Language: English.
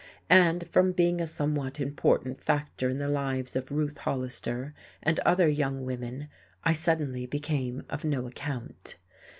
And from being a somewhat important factor in the lives of Ruth Hollister and other young women I suddenly became of no account.